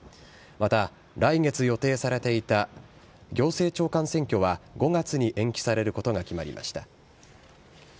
また、来月予定されていた行政長官選挙は５月に延期されることが決まりました。